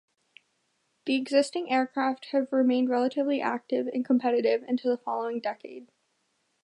The existing aircraft have remained relatively active and competitive into the following decade.